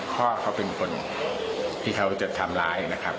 พ่อเขาเป็นคนที่เขาจะทำร้ายนะครับ